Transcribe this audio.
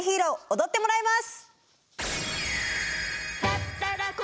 踊ってもらいます。